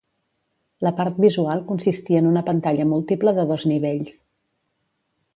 La part visual consistia en una pantalla múltiple de dos nivells.